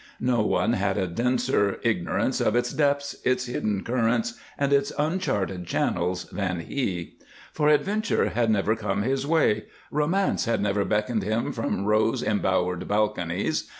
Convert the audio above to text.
No one had a denser ignorance of its depths, its hidden currents, and its uncharted channels than he; for adventure had never come his way, romance had never beckoned him from rose embowered balconies.